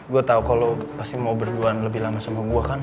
gue tau kalau pasti mau berduaan lebih lama sama gue kan